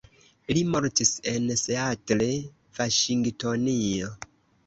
Li mortis en Seattle, Vaŝingtonio.